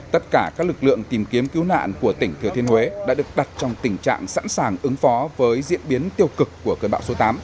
tất cả các lực lượng tìm kiếm cứu nạn của tỉnh thừa thiên huế đã được đặt trong tình trạng sẵn sàng ứng phó với diễn biến tiêu cực của cơn bão số tám